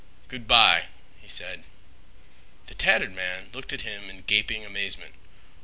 "Good by," he said. The tattered man looked at him in gaping amazement.